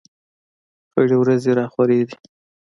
خړې ورېځې را خورې دي.